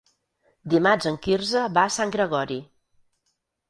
Dimarts en Quirze va a Sant Gregori.